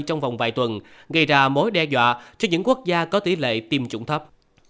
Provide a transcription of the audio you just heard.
trong vòng vài tuần gây ra mối đe dọa cho những quốc gia có tỷ lệ tiêm chủng thấp